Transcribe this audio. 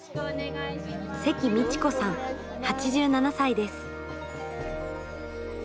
関美智子さん、８７歳です。